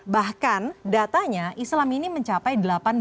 bahkan datanya islam ini mencapai delapan belas